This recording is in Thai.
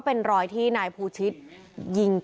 พุ่งเข้ามาแล้วกับแม่แค่สองคน